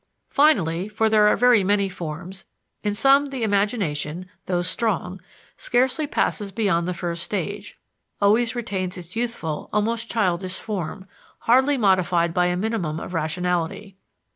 Finally for there are very many forms in some the imagination, though strong, scarcely passes beyond the first stage, always retains its youthful, almost childish form, hardly modified by a minimum of rationality.